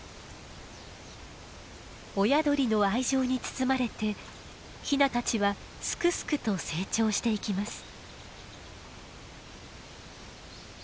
親鳥の愛情に包まれてヒナたちはすくすくと成長していきます。